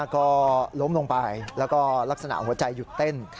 ก็ล้มลงไปแล้วก็ลักษณะหัวใจหยุดเต้น